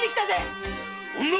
女！